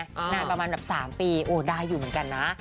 นานประมาณแบบ๓ปีโอ้ได้อยู่เหมือนกันนะ